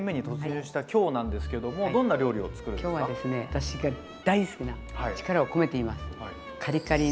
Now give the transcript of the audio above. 私が大好きな力を込めて言います。